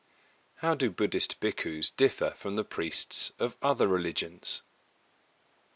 How do Buddhist Bhikkhus differ from the priests of other religions? A.